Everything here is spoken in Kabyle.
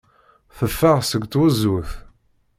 Teffeɣ seg tzewwut.